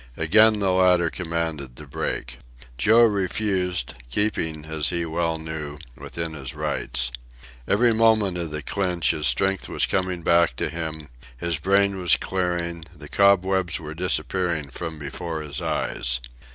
Again the latter commanded the break. Joe refused, keeping, as he well knew, within his rights. Each moment of the clinch his strength was coming back to him, his brain was clearing, the cobwebs were disappearing from before his eyes.